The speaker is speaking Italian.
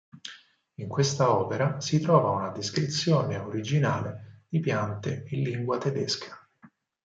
In questa opera si trova una descrizione originale di piante in lingua tedesca.